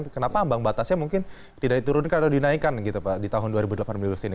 kenapa ambang batasnya mungkin tidak diturunkan atau dinaikkan gitu pak di tahun dua ribu delapan belas ini